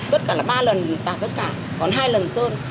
tất cả là ba lần tạt tất cả còn hai lần sơn